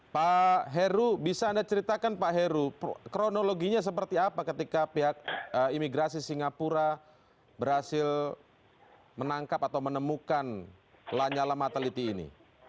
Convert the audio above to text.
pak heru bisa anda ceritakan pak heru kronologinya seperti apa ketika pihak imigrasi singapura berhasil menangkap atau menemukan lanyala mataliti ini